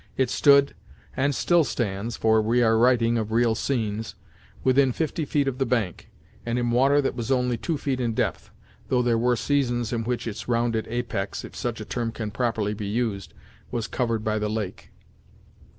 It stood, and still stands, for we are writing of real scenes, within fifty feet of the bank, and in water that was only two feet in depth, though there were seasons in which its rounded apex, if such a term can properly be used, was covered by the lake.